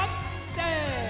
せの。